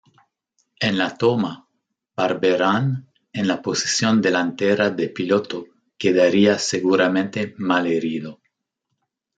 En la toma, Barberán, en la posición delantera de piloto quedaría seguramente malherido.